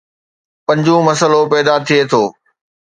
پنجون مسئلو پيدا ٿئي ٿو